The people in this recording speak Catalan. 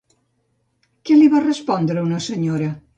Què li va respondre una senyora?